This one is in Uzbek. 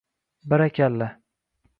Barakalla!